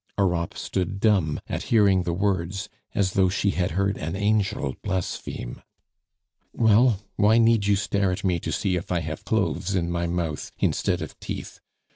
Europe stood dumb at hearing the words, as though she had heard an angel blaspheme. "Well, why need you stare at me to see if I have cloves in my mouth instead of teeth?